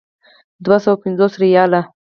دوه سوه پنځوس ریاله.